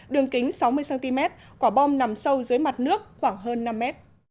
đường kính sáu mươi cm quả bom nằm sâu dưới mặt nước khoảng hơn năm m